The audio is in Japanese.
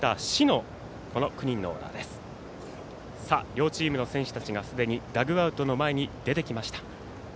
両チームの選手たちがすでにダグアウトの前に出てきました。